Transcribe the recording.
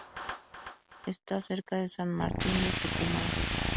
Está cerca de San Martín de Tucumán.